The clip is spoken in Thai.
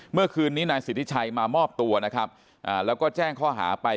เมื่อคืนนี้นายสิทธิชัยมามอบตัวแล้วก็แจ้งฆ่าไป